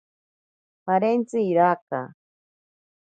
Parentsi iraka.